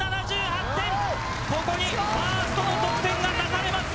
ここにファーストの得点が足されます。